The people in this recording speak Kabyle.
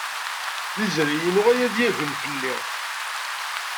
D izri-inu ara d-yaggen fell-i.